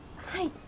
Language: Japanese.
はい。